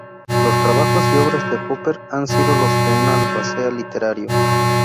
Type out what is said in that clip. Los trabajos y obras de Hopper han sido los de un albacea literario.